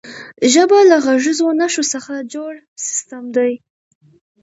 ژبه له غږیزو نښو څخه جوړ سیستم دی.